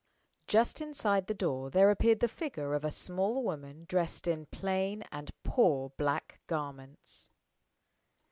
JUST inside the door there appeared the figure of a small woman dressed in plain and poor black garments.